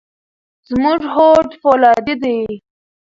زموږ هوډ فولادي دی.